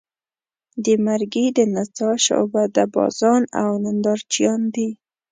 د مرګي د نڅا شعبده بازان او نندارچیان دي.